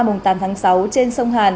mùng tám tháng sáu trên sông hàn